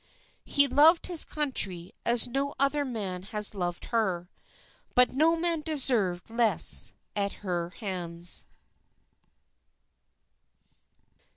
He loved his country as no other man has loved her; but no man deserved less at her hands.